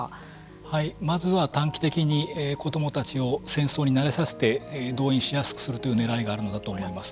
はいまずは短期的に子どもたちを戦争に慣れさせて動員しやすくするというねらいがあるのだと思います。